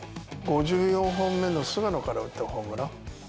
５４本目の菅野から打ったホームラン。